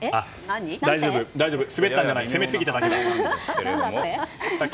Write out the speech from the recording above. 大丈夫、スベったんじゃない攻めすぎただけ。